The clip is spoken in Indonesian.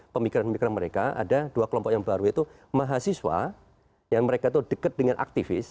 pemikiran pemikiran mereka ada dua kelompok yang baru yaitu mahasiswa yang mereka itu dekat dengan aktivis